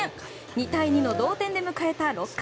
２対２の同点で迎えた６回。